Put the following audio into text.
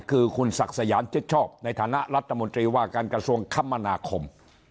คือคุณศักดิ์สยามชิดชอบในฐานะรัฐมนตรีว่าการกระทรวงคมนาคม